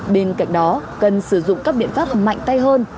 bên cạnh đó cần sử dụng các biện pháp mạnh tay hơn